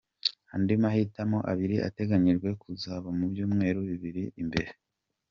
Andi mahitamo abiri ateganyijwe kuzaba mu byumweru bibiri biri imbere.